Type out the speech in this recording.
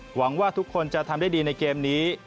หวังว่าทุกคนจะทำได้ดีในเกมนี้